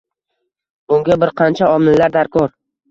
bunga bir qancha omillar darkor.